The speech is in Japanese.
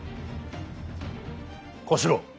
小四郎。